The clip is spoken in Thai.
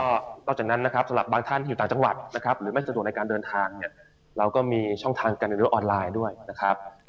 ก็นอกจากนั้นนะครับสำหรับบางท่านที่อยู่ต่างจังหวัดนะครับหรือไม่สะดวกในการเดินทางเนี่ยเราก็มีช่องทางกันในโลกออนไลน์ด้วยนะครับ